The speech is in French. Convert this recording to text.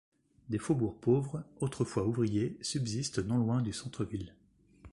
Des faubourgs pauvres autrefois ouvriers subsistent non loin du centre-ville.